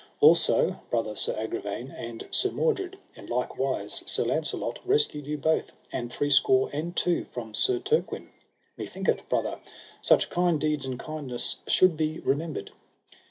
Also, brother Sir Agravaine and Sir Mordred, in like wise Sir Launcelot rescued you both, and threescore and two, from Sir Turquin. Methinketh brother, such kind deeds and kindness should be remembered.